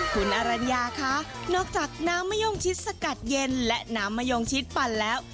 คุณอรัญญาคะนอกจากน้ำมะยงชิดสกัดเย็นและน้ำมะยงชิดปั่นแล้ว